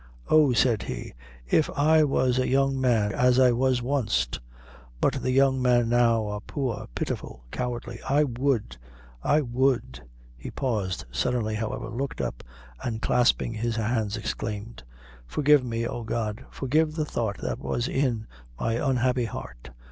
"Oh!" said he, "if I was a young man, as I was wanst but the young men now are poor, pitiful, cowardly I would I would;" he paused suddenly, however, looked up, and clasping his hands, exclaimed "forgive me, O God! forgive the thought that was in my unhappy heart!